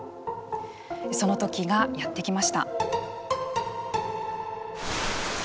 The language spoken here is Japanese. その時がやって来ました。